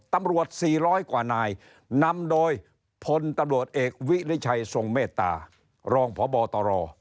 ๔๐๐กว่านายนำโดยพลตำรวจเอกวิริชัยทรงเมตตารองพบตร